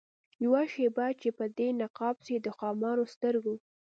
یوه شېبه چي دي نقاب سي د خمارو سترګو